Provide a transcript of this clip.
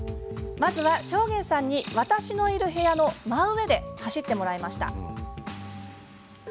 まずは正源さんに私のいる部屋の真上で走ってもらいました。